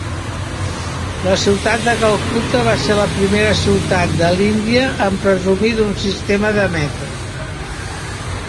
La ciutat de Calcuta va ser la primera ciutat de l'Índia en presumir d'un sistema de metro.